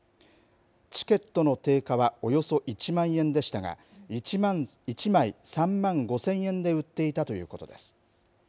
チケットの定価はおよそ１万円でしたが１枚３万５０００円で売っていたということです。